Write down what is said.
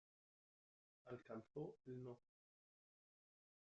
Alcanzó el No.